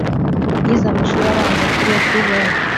yize amashuri abanza kuri e.p bungwe.